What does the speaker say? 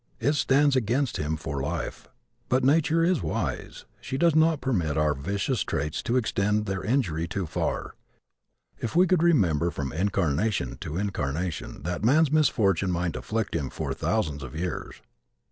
It stands against him for life. But nature is wise. She does not permit our vicious traits to extend their injury too far. If we could remember from incarnation to incarnation that man's misfortune might afflict him for thousands of years.